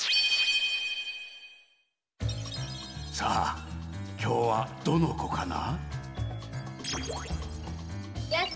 さあきょうはどのこかな？